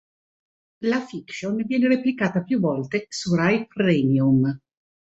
La fiction viene replicata più volte su Rai Premium.